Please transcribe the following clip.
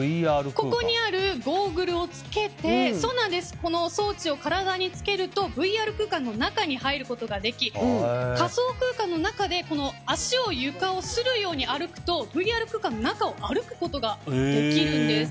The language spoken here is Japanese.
ここにあるゴーグルをつけて装置を体につけるとＶＲ空間の中に入ることができ、仮想空間の中で足を床をするように歩くとＶＲ空間の中を歩くことができるんです。